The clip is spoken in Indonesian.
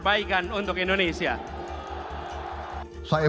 saya mau ke bang jafar dulu